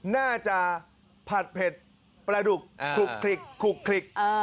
น่าจะผัดเผ็ดปลาดุกคลุก